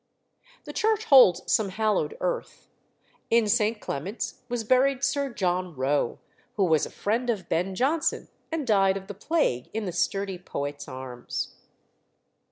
The church holds some hallowed earth: in St. Clement's was buried Sir John Roe, who was a friend of Ben Jonson, and died of the plague in the sturdy poet's arms.